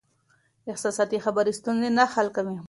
احساساتي خبرې ستونزې نه حل کوي.